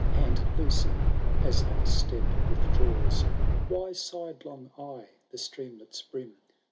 And, Lucy, as thy step withdraws, Why sidelong eye the streamlet's brim